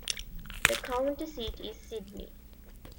The county seat is Sidney.